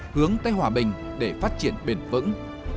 hướng tới hòa bình để phát triển bền vững